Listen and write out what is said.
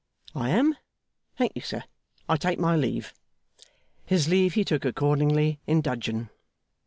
I am? Thank you, sir. I take my leave.' His leave he took accordingly, in dudgeon.